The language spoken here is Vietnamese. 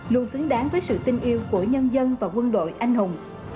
luôn xứng đáng với sự tin yêu của nhân dân và quân đội anh hùng